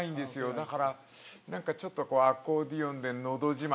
だからちょっとアコーディオンでのど自慢。